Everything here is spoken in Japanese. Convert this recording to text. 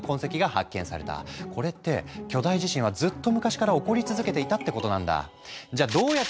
これって巨大地震はずっと昔から起こり続けていたってことなんだ。